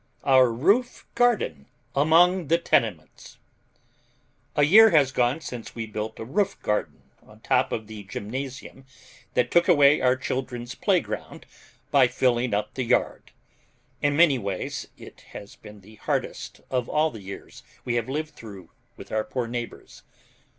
OUR ROOF GARDEN AMONG THE TENEMENTS A year has gone since we built a roof garden on top of the gymnasium that took away our children's playground by filling up the yard. In many ways it has been the hardest of all the years we have lived through with our poor neighbors.